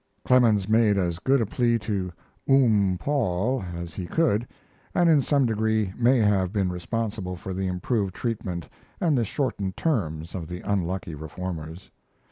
Clemens made as good a plea to "Oom Paul" as he could, and in some degree may have been responsible for the improved treatment and the shortened terms of the unlucky reformers.